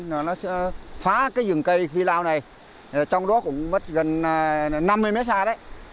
nó phá cái rừng cây phi lao này trong đó cũng mất gần năm mươi mét xa đấy